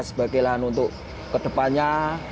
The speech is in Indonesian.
sebagai lahan untuk kedepannya